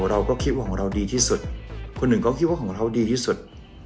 เราก็คิดว่าของเราดีที่สุดคนหนึ่งก็คิดว่าของเราดีที่สุด